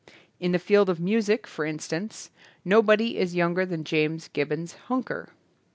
In the field of music, for in stance, nobody is younger than James Gibbons Huneker.